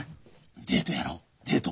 デートやろデート。